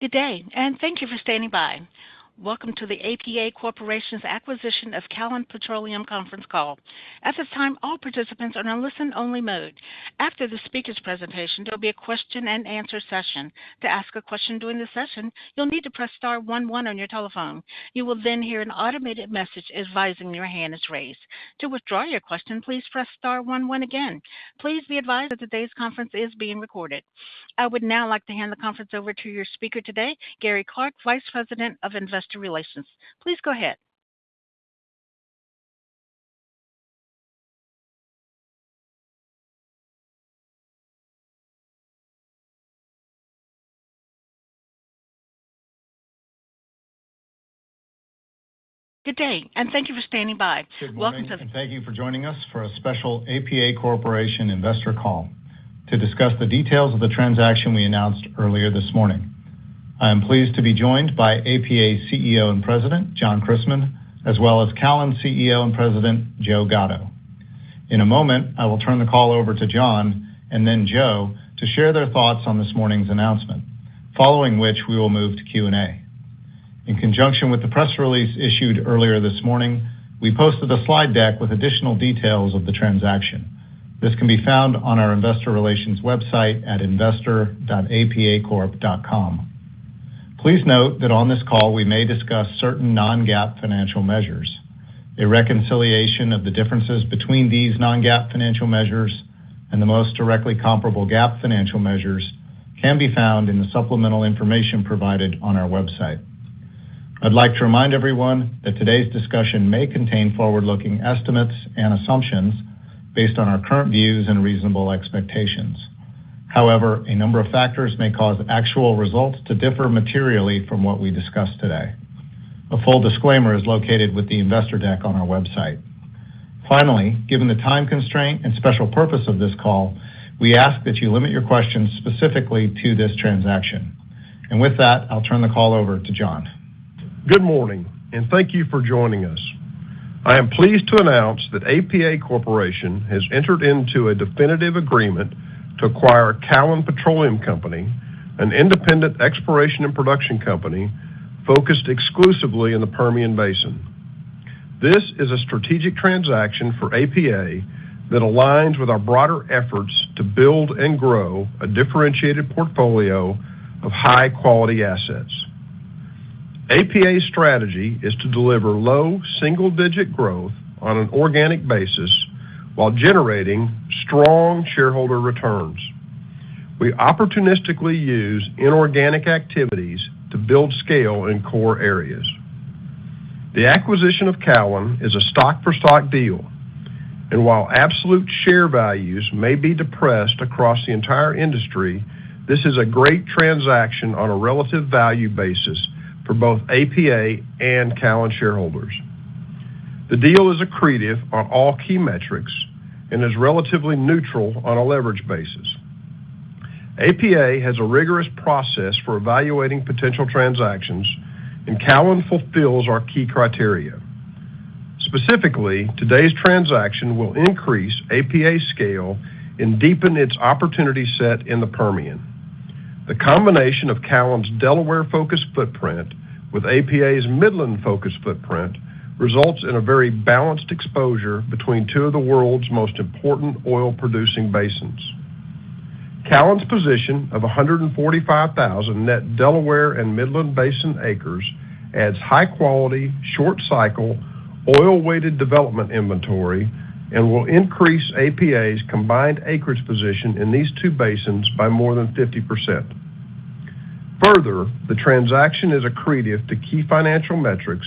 Good day, and thank you for standing by. Welcome to the APA Corporation's acquisition of Callon Petroleum conference call. At this time, all participants are in a listen-only mode. After the speaker's presentation, there will be a question-and-answer session. To ask a question during the session, you'll need to press star one one on your telephone. You will then hear an automated message advising your hand is raised. To withdraw your question, please press star one one again. Please be advised that today's conference is being recorded. I would now like to hand the conference over to your speaker today, Gary Clark, Vice President of Investor Relations. Please go ahead. Good day, and thank you for standing by. Welcome to- Good morning, and thank you for joining us for a special APA Corporation investor call to discuss the details of the transaction we announced earlier this morning. I am pleased to be joined by APA's CEO and President, John Christmann, as well as Callon CEO and President, Joe Gatto. In a moment, I will turn the call over to John and then Joe to share their thoughts on this morning's announcement, following which we will move to Q&A. In conjunction with the press release issued earlier this morning, we posted a slide deck with additional details of the transaction. This can be found on our investor relations website at investor.apacorp.com. Please note that on this call, we may discuss certain non-GAAP financial measures. A reconciliation of the differences between these non-GAAP financial measures and the most directly comparable GAAP financial measures can be found in the supplemental information provided on our website. I'd like to remind everyone that today's discussion may contain forward-looking estimates and assumptions based on our current views and reasonable expectations. However, a number of factors may cause actual results to differ materially from what we discuss today. A full disclaimer is located with the investor deck on our website. Finally, given the time constraint and special purpose of this call, we ask that you limit your questions specifically to this transaction. With that, I'll turn the call over to John. Good morning, and thank you for joining us. I am pleased to announce that APA Corporation has entered into a definitive agreement to acquire Callon Petroleum Company, an independent exploration and production company focused exclusively in the Permian Basin. This is a strategic transaction for APA that aligns with our broader efforts to build and grow a differentiated portfolio of high-quality assets. APA's strategy is to deliver low, single-digit growth on an organic basis while generating strong shareholder returns. We opportunistically use inorganic activities to build scale in core areas. The acquisition of Callon is a stock-for-stock deal, and while absolute share values may be depressed across the entire industry, this is a great transaction on a relative value basis for both APA and Callon shareholders. The deal is accretive on all key metrics and is relatively neutral on a leverage basis. APA has a rigorous process for evaluating potential transactions, and Callon fulfills our key criteria. Specifically, today's transaction will increase APA's scale and deepen its opportunity set in the Permian. The combination of Callon's Delaware-focused footprint with APA's Midland-focused footprint results in a very balanced exposure between two of the world's most important oil-producing basins. Callon's position of 145,000 net Delaware and Midland Basin acres adds high quality, short cycle, oil-weighted development inventory and will increase APA's combined acreage position in these two basins by more than 50%. Further, the transaction is accretive to key financial metrics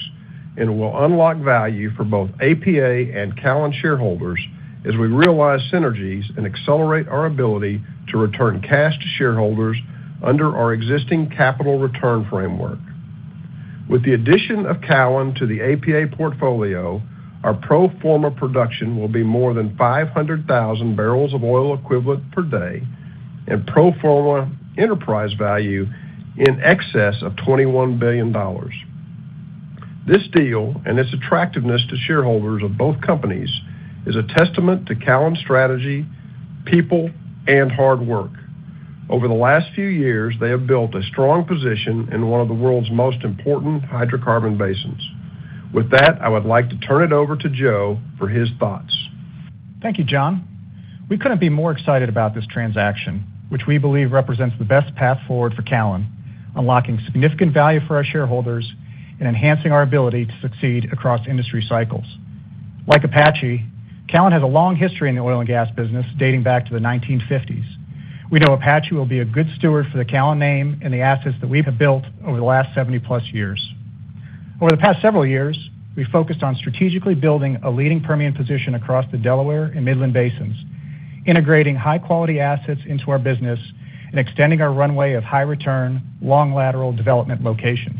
and will unlock value for both APA and Callon shareholders as we realize synergies and accelerate our ability to return cash to shareholders under our existing capital return framework. With the addition of Callon to the APA portfolio, our pro forma production will be more than 500,000 barrels of oil equivalent per day and pro forma enterprise value in excess of $21 billion. This deal, and its attractiveness to shareholders of both companies, is a testament to Callon's strategy, people, and hard work. Over the last few years, they have built a strong position in one of the world's most important hydrocarbon basins. With that, I would like to turn it over to Joe for his thoughts. Thank you, John. We couldn't be more excited about this transaction, which we believe represents the best path forward for Callon, unlocking significant value for our shareholders and enhancing our ability to succeed across industry cycles. Like Apache, Callon has a long history in the oil and gas business, dating back to the 1950s. We know Apache will be a good steward for the Callon name and the assets that we have built over the last 70+ years. Over the past several years, we focused on strategically building a leading Permian position across the Delaware and Midland Basins, integrating high-quality assets into our business and extending our runway of high return, long lateral development locations.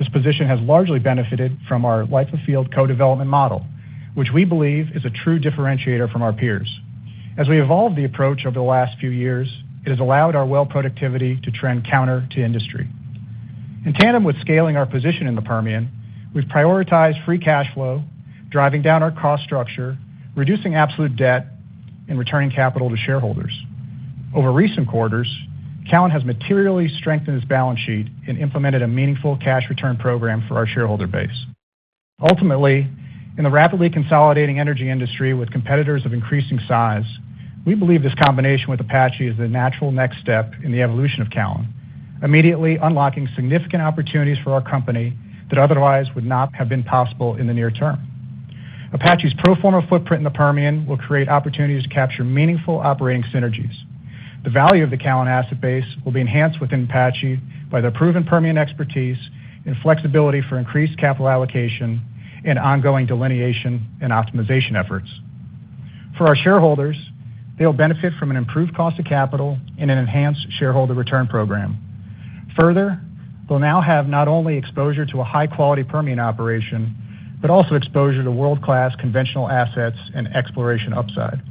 This position has largely benefited from our life-of-field co-development model, which we believe is a true differentiator from our peers. As we evolved the approach over the last few years, it has allowed our well productivity to trend counter to industry.... In tandem with scaling our position in the Permian, we've prioritized free cash flow, driving down our cost structure, reducing absolute debt, and returning capital to shareholders. Over recent quarters, Callon has materially strengthened its balance sheet and implemented a meaningful cash return program for our shareholder base. Ultimately, in the rapidly consolidating energy industry with competitors of increasing size, we believe this combination with Apache is the natural next step in the evolution of Callon, immediately unlocking significant opportunities for our company that otherwise would not have been possible in the near term. Apache's pro forma footprint in the Permian will create opportunities to capture meaningful operating synergies. The value of the Callon asset base will be enhanced with Apache by their proven Permian expertise and flexibility for increased capital allocation and ongoing delineation and optimization efforts. For our shareholders, they will benefit from an improved cost of capital and an enhanced shareholder return program. Further, they'll now have not only exposure to a high-quality Permian operation, but also exposure to world-class conventional assets and exploration upside.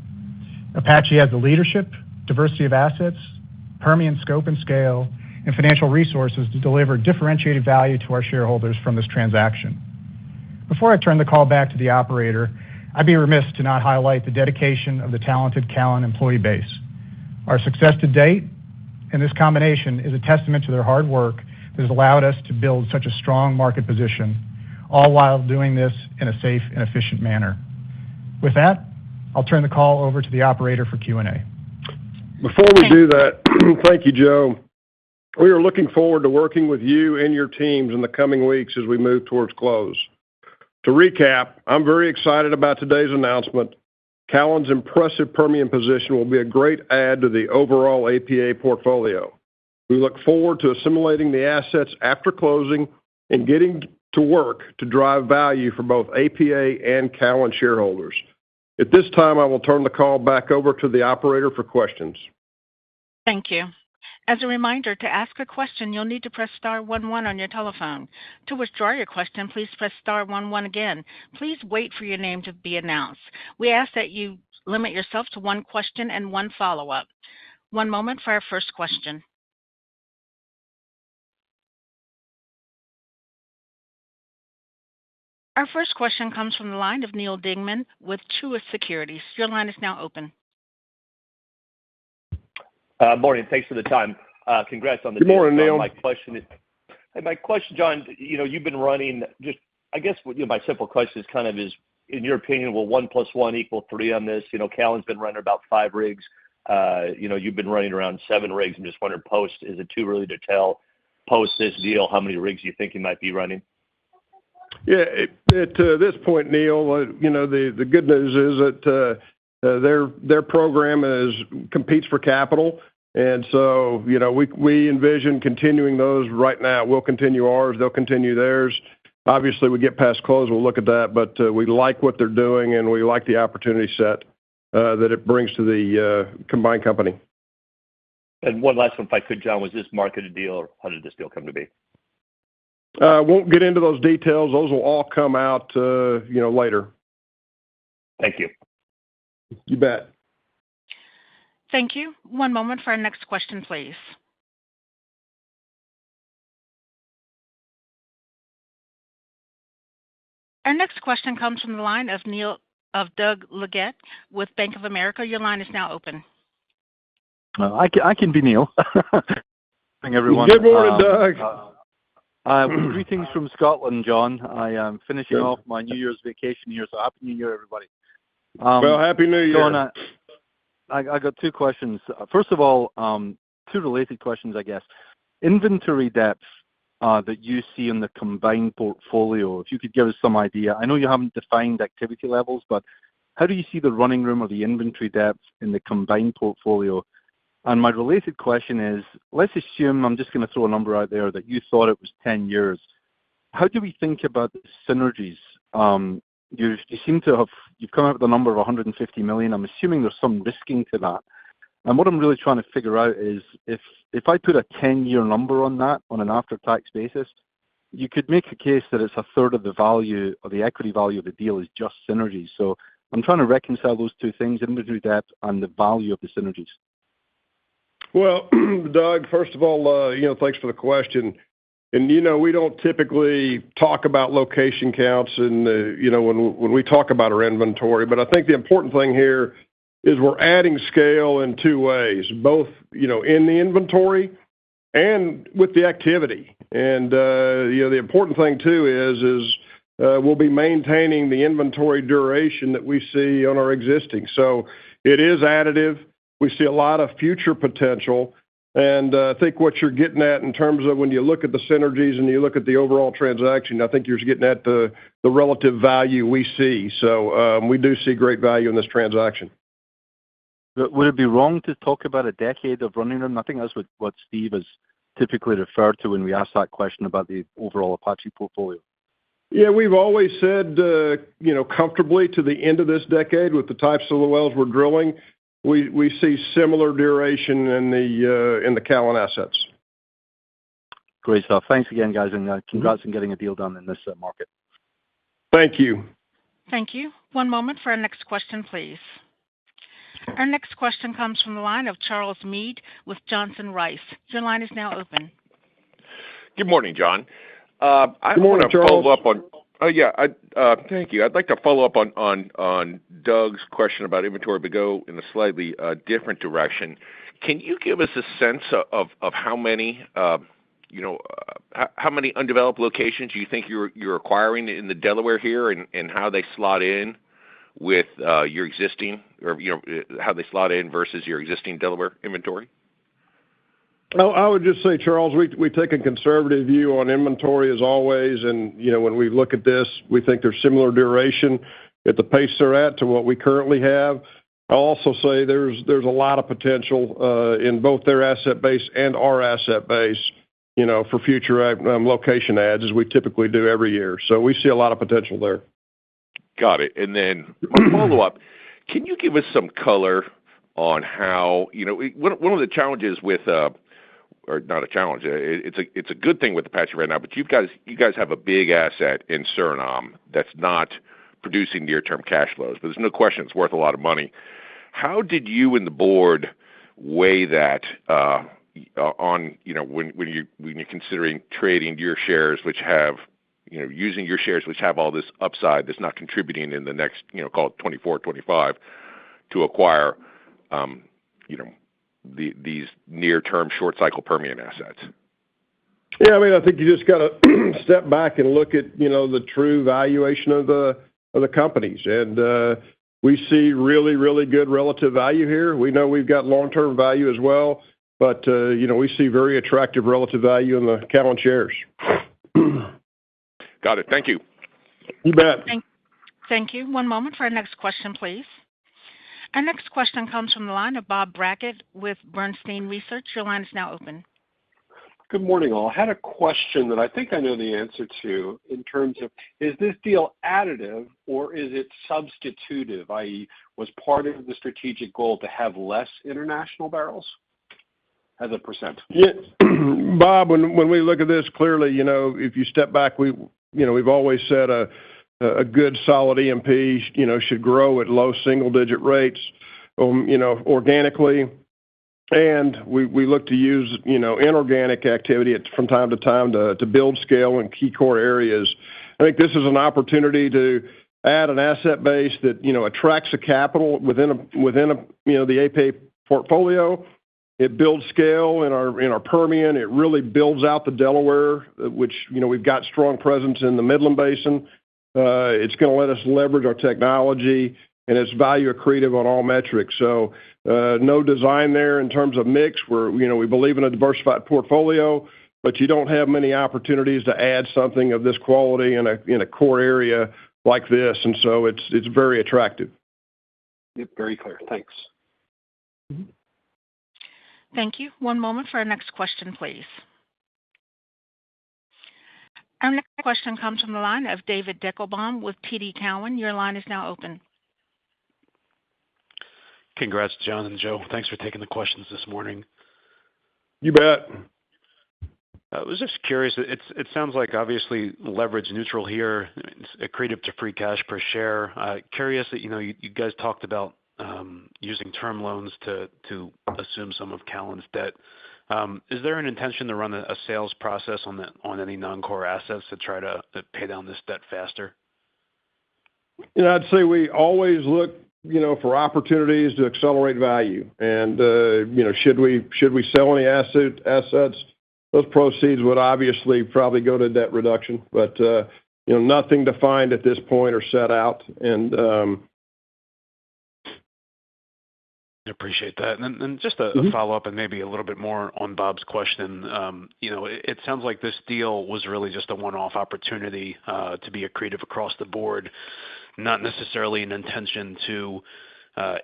Apache has the leadership, diversity of assets, Permian scope and scale, and financial resources to deliver differentiated value to our shareholders from this transaction. Before I turn the call back to the operator, I'd be remiss to not highlight the dedication of the talented Callon employee base. Our success to date, and this combination, is a testament to their hard work that has allowed us to build such a strong market position, all while doing this in a safe and efficient manner. With that, I'll turn the call over to the operator for Q&A. Before we do that, thank you, Joe. We are looking forward to working with you and your teams in the coming weeks as we move towards close. To recap, I'm very excited about today's announcement. Callon's impressive Permian position will be a great add to the overall APA portfolio. We look forward to assimilating the assets after closing and getting to work to drive value for both APA and Callon shareholders. At this time, I will turn the call back over to the operator for questions. Thank you. As a reminder, to ask a question, you'll need to press star one one on your telephone. To withdraw your question, please press star one one again. Please wait for your name to be announced. We ask that you limit yourself to one question and one follow-up. One moment for our first question. Our first question comes from the line of Neal Dingmann with Truist Securities. Your line is now open. Morning, thanks for the time. Congrats on the- Good morning, Neal. My question is, hey, my question, John, you know, you've been running just—I guess, you know, my simple question is kind of, is, in your opinion, will one plus one equal three on this? You know, Callon's been running about 5 rigs. You know, you've been running around 7 rigs. I'm just wondering, post—is it too early to tell—post this deal, how many rigs you think you might be running? Yeah, at this point, Neal, you know, the good news is that their program competes for capital, and so, you know, we envision continuing those right now. We'll continue ours, they'll continue theirs. Obviously, we get past close, we'll look at that, but we like what they're doing, and we like the opportunity set that it brings to the combined company. One last one, if I could, John. Was this a marketed deal, or how did this deal come to be? Won't get into those details. Those will all come out, you know, later. Thank you. You bet. Thank you. One moment for our next question, please. Our next question comes from the line of Neal, of Doug Leggate with Bank of America. Your line is now open. I can be Neal. Good morning, everyone. Good morning, Doug. Greetings from Scotland, John. I am finishing off- Yes. my New Year's vacation here, so Happy New Year, everybody. Well, Happy New Year. John, I got two questions. First of all, two related questions, I guess. Inventory depth that you see in the combined portfolio, if you could give us some idea. I know you haven't defined activity levels, but how do you see the running room or the inventory depth in the combined portfolio? And my related question is, let's assume, I'm just gonna throw a number out there, that you thought it was 10 years. How do we think about synergies? You seem to have—you've come up with a number of $150 million. I'm assuming there's some risking to that. What I'm really trying to figure out is, if I put a 10-year number on that on an after-tax basis, you could make a case that it's a third of the value or the equity value of the deal is just synergies. So I'm trying to reconcile those two things, inventory depth and the value of the synergies. Well, Doug, first of all, you know, thanks for the question. And you know, we don't typically talk about location counts and, you know, when we talk about our inventory. But I think the important thing here is we're adding scale in two ways, both, you know, in the inventory and with the activity. And, you know, the important thing, too, is we'll be maintaining the inventory duration that we see on our existing. So it is additive. We see a lot of future potential, and I think what you're getting at in terms of when you look at the synergies and you look at the overall transaction, I think you're getting at the relative value we see. So, we do see great value in this transaction. But would it be wrong to talk about a decade of running room? I think that's what Steve has typically referred to when we asked that question about the overall Apache portfolio. Yeah, we've always said, you know, comfortably to the end of this decade with the types of the wells we're drilling, we see similar duration in the Callon assets. Great stuff. Thanks again, guys, and congrats on getting a deal done in this market. Thank you. Thank you. One moment for our next question, please.... Our next question comes from the line of Charles Meade with Johnson Rice. Your line is now open. Good morning, John. Good morning, Charles. I want to follow up on Doug's question about inventory, but go in a slightly different direction. Can you give us a sense of how many undeveloped locations you think you're acquiring in the Delaware here, and how they slot in with your existing, or you know, how they slot in versus your existing Delaware inventory? Oh, I would just say, Charles, we take a conservative view on inventory as always, and, you know, when we look at this, we think they're similar duration at the pace they're at to what we currently have. I'll also say there's a lot of potential in both their asset base and our asset base, you know, for future add, location adds, as we typically do every year. So we see a lot of potential there. Got it. And then a follow-up: Can you give us some color on how... You know, one of the challenges with, or not a challenge, it's a good thing with Apache right now, but you guys have a big asset in Suriname that's not producing near-term cash flows, but there's no question it's worth a lot of money. How did you and the board weigh that, on, you know, when you're considering trading your shares, which have, you know, using your shares, which have all this upside, that's not contributing in the next, you know, call it 24, 25, to acquire, you know, these near-term, short-cycle Permian assets? Yeah, I mean, I think you just gotta step back and look at, you know, the true valuation of the, of the companies. And, we see really, really good relative value here. We know we've got long-term value as well, but, you know, we see very attractive relative value in the Callon shares. Got it. Thank you. You bet. Thank you. One moment for our next question, please. Our next question comes from the line of Bob Brackett with Bernstein Research. Your line is now open. Good morning, all. I had a question that I think I know the answer to in terms of, is this deal additive or is it substitutive, i.e., was part of the strategic goal to have less international barrels as a percent? Yeah. Bob, when we look at this clearly, you know, if you step back, we, you know, we've always said a good solid E&P, you know, should grow at low single digit rates, organically. And we look to use, you know, inorganic activity from time to time to build scale in key core areas. I think this is an opportunity to add an asset base that, you know, attracts the capital within a, you know, the APA portfolio. It builds scale in our Permian. It really builds out the Delaware, which, you know, we've got strong presence in the Midland Basin. It's gonna let us leverage our technology, and it's value accretive on all metrics. So, no design there in terms of mix. We're, you know, we believe in a diversified portfolio, but you don't have many opportunities to add something of this quality in a core area like this, and so it's very attractive. Yep, very clear. Thanks. Mm-hmm. Thank you. One moment for our next question, please. Our next question comes from the line of David Deckelbaum with TD Cowen. Your line is now open. Congrats, John and Joe. Thanks for taking the questions this morning. You bet. I was just curious. It sounds like obviously leverage neutral here, accretive to free cash per share. Curious that, you know, you guys talked about using term loans to assume some of Callon's debt. Is there an intention to run a sales process on any non-core assets to try to pay down this debt faster? You know, I'd say we always look, you know, for opportunities to accelerate value. You know, should we sell any assets? Those proceeds would obviously probably go to debt reduction, but, you know, nothing defined at this point or set out and... I appreciate that. And then just a- Mm-hmm... follow-up and maybe a little bit more on Bob's question. You know, it sounds like this deal was really just a one-off opportunity, to be accretive across the board, not necessarily an intention to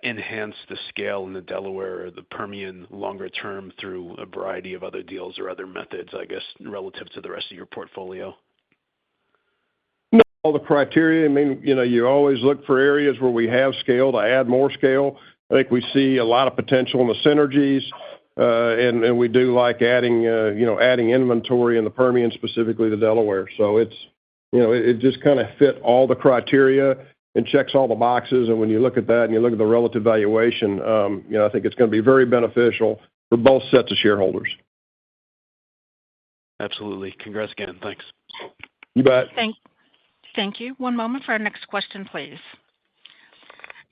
enhance the scale in the Delaware or the Permian longer term through a variety of other deals or other methods, I guess, relative to the rest of your portfolio. All the criteria, I mean, you know, you always look for areas where we have scale to add more scale. I think we see a lot of potential in the synergies, and we do like adding, you know, adding inventory in the Permian, specifically the Delaware. So it's, you know, it just kind of fit all the criteria and checks all the boxes. And when you look at that and you look at the relative valuation, you know, I think it's gonna be very beneficial for both sets of shareholders. Absolutely. Congrats again. Thanks. You bet. Thank you. One moment for our next question, please.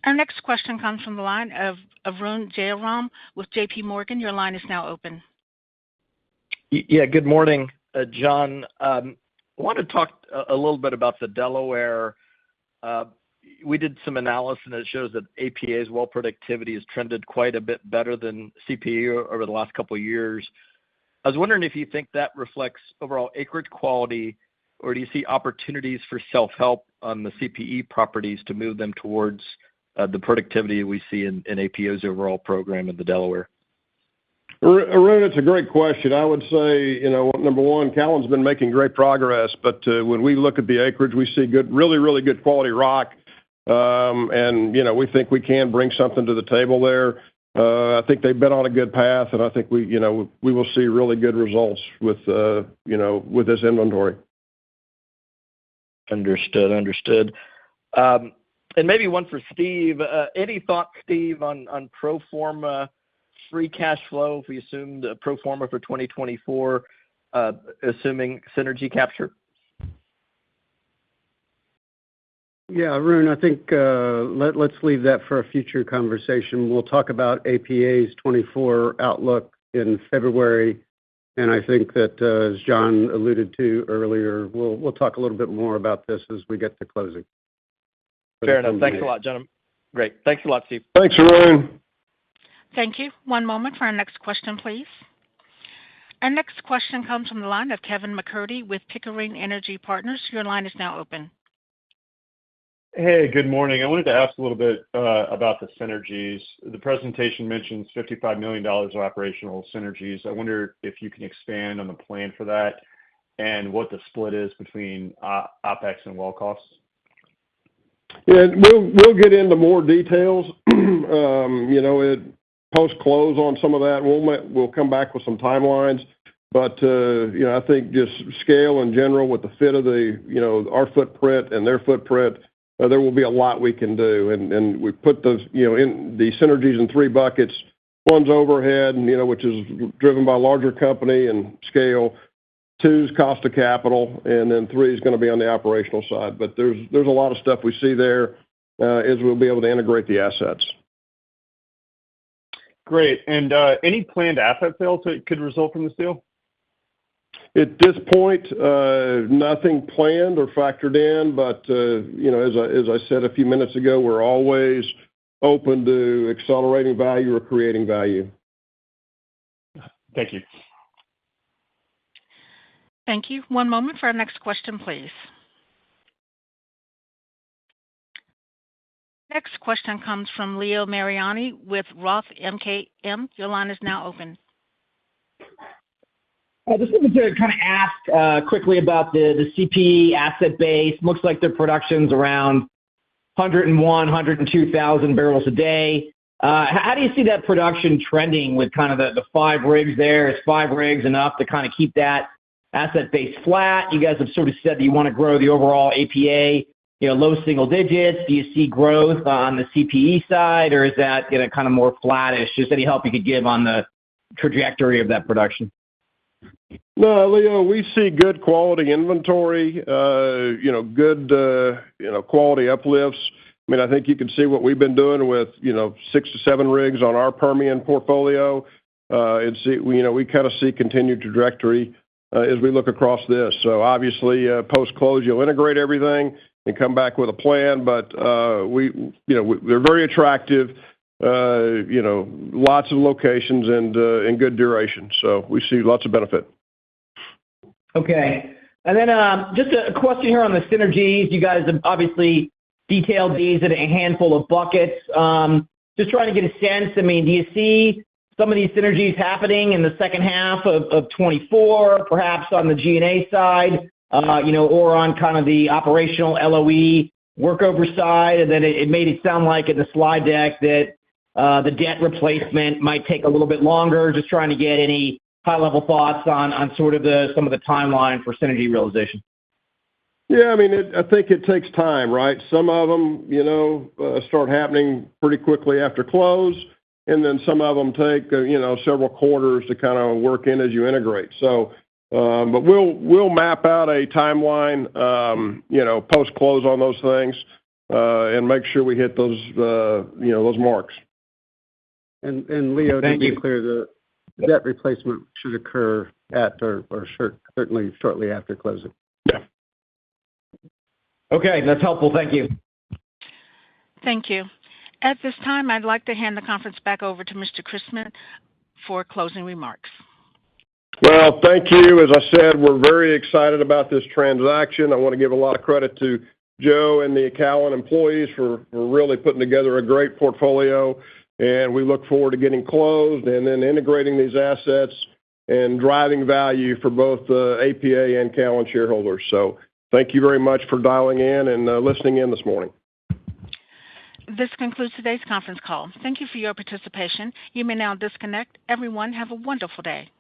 Our next question comes from the line of Arun Jayaram with J.P. Morgan. Your line is now open. Yeah, good morning, John. I want to talk a little bit about the Delaware. We did some analysis, and it shows that APA's well productivity has trended quite a bit better than CPE over the last couple of years. I was wondering if you think that reflects overall acreage quality, or do you see opportunities for self-help on the CPE properties to move them towards the productivity we see in APA's overall program in the Delaware? Arun, it's a great question. I would say, you know, number one, Callon's been making great progress, but, when we look at the acreage, we see good, really, really good quality rock. And, you know, we think we can bring something to the table there. I think they've been on a good path, and I think we, you know, we will see really good results with, you know, with this inventory.... Understood. Understood. And maybe one for Steve. Any thoughts, Steve, on pro forma free cash flow if we assumed a pro forma for 2024, assuming synergy capture? Yeah, Arun, I think, let's leave that for a future conversation. We'll talk about APA's 2024 outlook in February, and I think that, as John alluded to earlier, we'll talk a little bit more about this as we get to closing. Fair enough. Thanks a lot, gentlemen. Great. Thanks a lot, Steve. Thanks, Arun. Thank you. One moment for our next question, please. Our next question comes from the line of Kevin McCurdy with Pickering Energy Partners. Your line is now open. Hey, good morning. I wanted to ask a little bit about the synergies. The presentation mentions $55 million of operational synergies. I wonder if you can expand on the plan for that and what the split is between OpEx and well costs. Yeah, we'll get into more details, you know, at post-close on some of that. We'll come back with some timelines. But you know, I think just scale in general with the fit of the, you know, our footprint and their footprint, there will be a lot we can do. And we put those, you know, in the synergies in three buckets. One's overhead and, you know, which is driven by larger company and scale. Two's cost of capital, and then three is gonna be on the operational side. But there's a lot of stuff we see there, as we'll be able to integrate the assets. Great. And any planned asset sales that could result from this deal? At this point, nothing planned or factored in, but, you know, as I said a few minutes ago, we're always open to accelerating value or creating value. Thank you. Thank you. One moment for our next question, please. Next question comes from Leo Mariani with Roth MKM. Your line is now open. Hi, just wanted to kind of ask quickly about the CPE asset base. Looks like the production's around 101-102 thousand barrels a day. How do you see that production trending with kind of the 5 rigs there? Is 5 rigs enough to kind of keep that asset base flat? You guys have sort of said that you want to grow the overall APA, you know, low single digits. Do you see growth on the CPE side, or is that gonna kind of more flattish? Just any help you could give on the trajectory of that production. No, Leo, we see good quality inventory, you know, good, you know, quality uplifts. I mean, I think you can see what we've been doing with, you know, 6-7 rigs on our Permian portfolio. It's, you know, we kind of see continued trajectory, as we look across this. So obviously, post-close, you'll integrate everything and come back with a plan. But, we, you know, they're very attractive, you know, lots of locations and, and good duration, so we see lots of benefit. Okay. And then, just a question here on the synergies. You guys have obviously detailed these in a handful of buckets. Just trying to get a sense, I mean, do you see some of these synergies happening in the second half of 2024, perhaps on the G&A side, you know, or on kind of the operational LOE workover side? And then it made it sound like in the slide deck that the debt replacement might take a little bit longer. Just trying to get any high-level thoughts on sort of some of the timeline for synergy realization. Yeah, I mean, I think it takes time, right? Some of them, you know, start happening pretty quickly after close, and then some of them take, you know, several quarters to kind of work in as you integrate. So, but we'll, we'll map out a timeline, you know, post-close on those things, and make sure we hit those, you know, those marks. Thank you. Leo, to be clear, the debt replacement should occur at or certainly shortly after closing. Yeah. Okay, that's helpful. Thank you. Thank you. At this time, I'd like to hand the conference back over to Mr. Christmann for closing remarks. Well, thank you. As I said, we're very excited about this transaction. I want to give a lot of credit to Joe and the Callon employees for really putting together a great portfolio, and we look forward to getting closed and then integrating these assets and driving value for both the APA and Callon shareholders. So thank you very much for dialing in and listening in this morning. This concludes today's conference call. Thank you for your participation. You may now disconnect. Everyone, have a wonderful day.